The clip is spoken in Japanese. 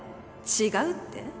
違うって？